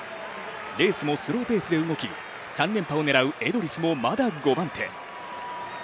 レースもスローペースで動き３連覇を狙うエドリスもまだ５番手。